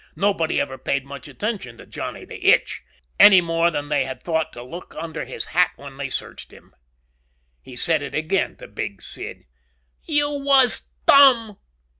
Nobody ever paid much attention to Johnny the Itch. Any more than they had thought to look under his hat when they searched him. He said it again to Big Sid. "You was dumb."